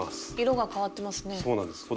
色が変わってますね。